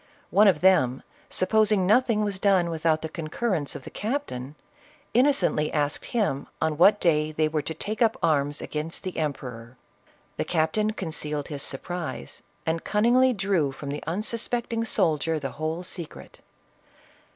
One of them, supposing nothing was done without the concurrence of the captain, innocently asked him on what day they were to take up arms against the empe ror. The captain concealed his surprise, and cunning ly drew from the unsuspecting soldier the whole secret.